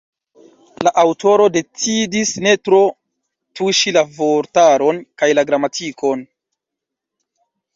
La aŭtoro decidis ne tro tuŝi la vortaron kaj la gramatikon.